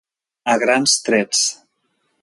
A grans trets.